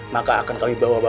pak tata serventating friend